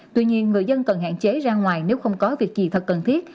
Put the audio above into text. tuy nhiên người dân cần hạn chế ra ngoài nếu không có việc gì thật cần thiết